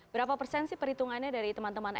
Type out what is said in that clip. berapa persen sih perhitungannya dari teman teman anda